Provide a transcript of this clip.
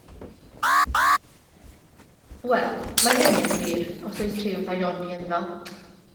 Wel, mae hynny yn wir, os oes rhyw ddaioni ynddo.